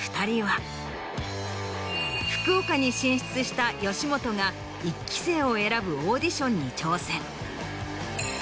福岡に進出した吉本が１期生を選ぶオーディションに挑戦。